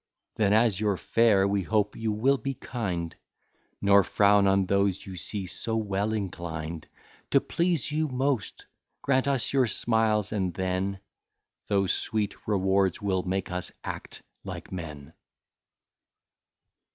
Then as you're fair, we hope you will be kind, Nor frown on those you see so well inclined To please you most. Grant us your smiles, and then Those sweet rewards will make us act like men.